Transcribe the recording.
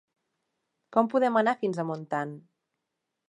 Com podem anar fins a Montant?